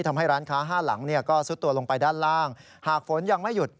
ทำให้ร้านค้าห้าหลังเนี่ยก็ซุดตัวลงไปด้านล่างหากฝนยังไม่หยุด